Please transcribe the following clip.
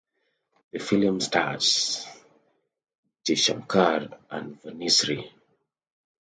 The film stars Jaishankar and Vanisri.